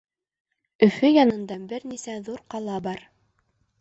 — Өфө янында бер нисә ҙур ҡала бар.